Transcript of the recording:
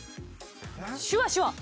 シュワシュワ。